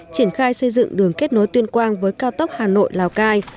triển khai xây dựng đường kết nối tuyên quang với cao tốc hà nội lào cai